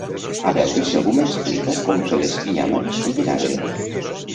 A veure si algú m'explica com fer les nyàmeres amb vinagre